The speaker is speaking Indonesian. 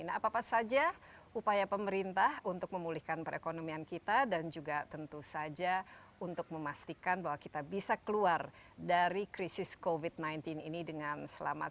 nah apa apa saja upaya pemerintah untuk memulihkan perekonomian kita dan juga tentu saja untuk memastikan bahwa kita bisa keluar dari krisis covid sembilan belas ini dengan selamat